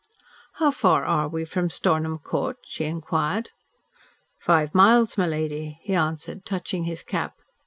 "How far are we from Stornham Court?" she inquired. "Five miles, my lady," he answered, touching his cap.